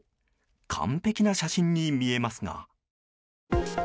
完璧な写真に見えますが。